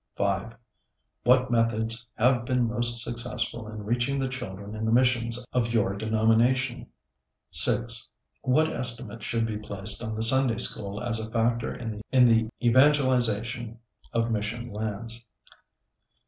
5. What methods have been most successful in reaching the children in the missions of your denomination? 6. What estimate should be placed on the Sunday School as a factor in the evangelization of mission lands?